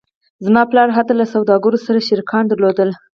زما پلار هلته له سوداګرو سره شریکان درلودل